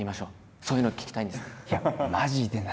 そういうのを聞きたいんです。